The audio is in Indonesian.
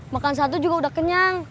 makan sate juga udah kenyang